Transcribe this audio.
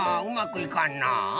うまくいかんなあ。